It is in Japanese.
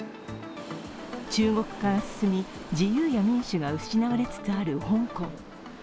中国化が進み、自由や民主が失われつつある香港。